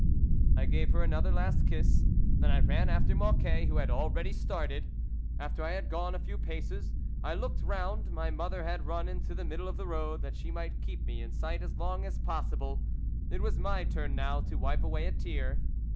I gave her another last kiss; then I ran after Mocquet, who had already started. After I had gone a few paces, I looked round ; my mother had run into the middle of the road, that she might keep me in sight as long as possible ; it was my turn now to wipe away a tear.